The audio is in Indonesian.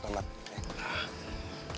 terima kasih ya boy